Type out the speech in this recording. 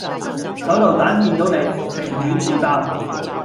手榴彈見到你，情願自爆